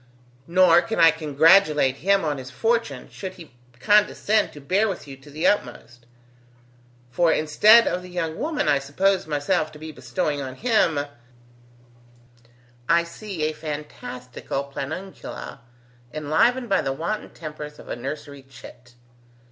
Nor can I congratulate him on his fortune, should he condescend to bear with you to the utmost; for instead of the young woman I supposed myself to be bestowing on him, I see a fantastical planguncula enlivened by the wanton tempers of a nursery chit.